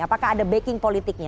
apakah ada backing politiknya